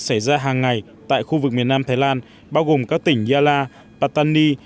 xảy ra hàng ngày tại khu vực miền nam thái lan bao gồm các tỉnh yala patani